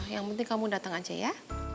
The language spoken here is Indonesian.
yang penting kamu datang aja ya